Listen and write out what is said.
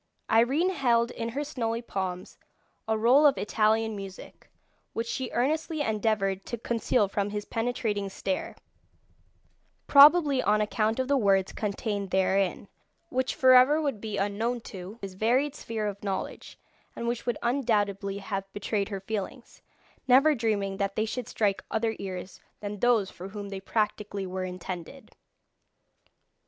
Irene held in her snowy palms a roll of Italian music, which she earnestly endeavoured to conceal from his penetrating stare, probably on account of the words contained therein, which for ever would be unknown to his varied sphere of knowledge, and which would undoubtedly have betrayed her feelings, never dreaming that they should strike other ears than those for whom they practically were intended.